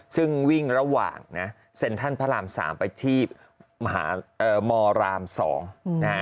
ซึ่งวิ่งระหว่างนะเซ็นทรัลพระราม๓ไปที่มหามราม๒นะฮะ